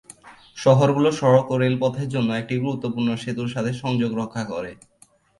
শহরগুলো সড়ক ও রেলপথের জন্য একটি গুরুত্বপূর্ণ সেতুর সাথে সংযোগ রক্ষা করে।